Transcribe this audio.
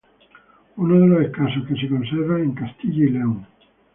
Uno de los escasos que se conservan en Castilla y León.